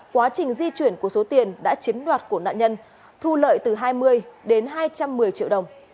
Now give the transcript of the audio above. quá trình di chuyển của số tiền đã chiếm đoạt của nạn nhân thu lợi từ hai mươi đến hai trăm một mươi triệu đồng